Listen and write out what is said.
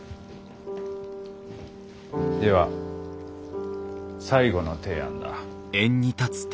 では最後の提案だ。